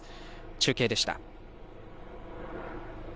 中継でした。